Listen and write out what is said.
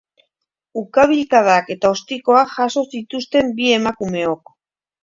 Ukabilkadak eta ostikoak jaso zituzten bi emakumeok.